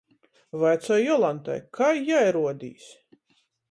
Vaicoju Jolantai, kai jai ruodīs.